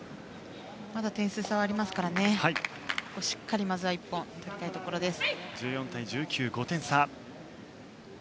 まだ点差はありますからここ、しっかりまず１本取りたいです。